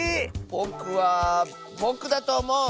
⁉ぼくはぼくだとおもう！